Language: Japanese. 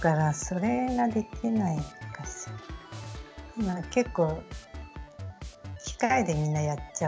今結構機械でみんなやっちゃうから。